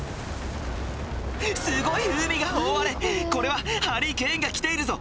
すごい海が大荒れこれはハリケーンがきているぞ